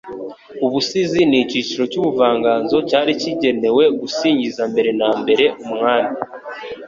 Ubusizi ,ni icyiciro cy'ubuvanganzo cyari kigenewe gusingiza mbere na mbere Umwami